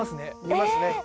見ますね。